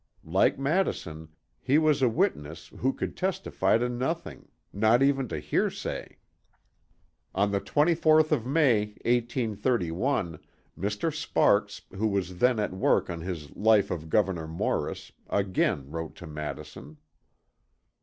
Like Madison, he was a witness who could testify to nothing, not even to hearsay. On the 24th of May, 1831, Mr. Sparks, who was then at work on his life of Gouveneur Morris, again wrote to Madison.